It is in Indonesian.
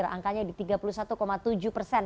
angkanya di tiga puluh satu tujuh persen